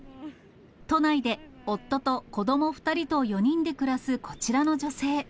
都内で夫と子ども２人と４人で暮らすこちらの女性。